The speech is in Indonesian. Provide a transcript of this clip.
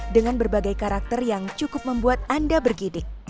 dengan berbagai karakter yang cukup membuat anda bergidik